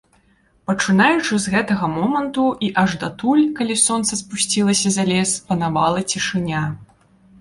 Пачынаючы з гэтага моманту і аж датуль, калі сонца спусцілася за лес, панавала цішыня.